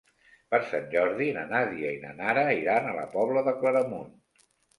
Per Sant Jordi na Nàdia i na Nara iran a la Pobla de Claramunt.